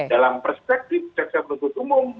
dalam perspektif jaksa penuntut umum